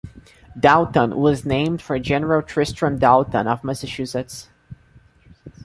Dalton, was named for General Tristram Dalton of Massachusetts.